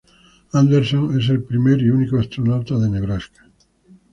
Anderson es el primer y único astronauta de Nebraska.